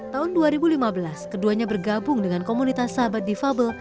tahun dua ribu lima belas keduanya bergabung dengan komunitas sahabat difabel